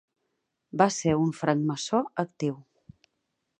Va ser un francmaçó actiu.